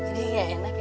jadi gak enak ya